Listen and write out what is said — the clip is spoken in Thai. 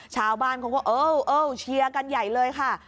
ชาวบ้านเขาก็เออเชียร์กันใหญ่เลยค่ะ